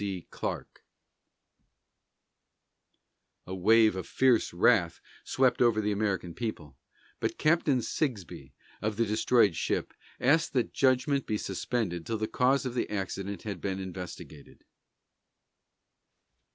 C. CLARKE. A wave of fierce wrath swept over the American people; but Captain Sigsbee, of the destroyed ship, asked that judgment be suspended until the cause of the accident had been investigated.